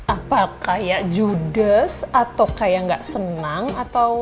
apakah ya judes atau kayak nggak senang atau